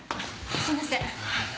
すいません。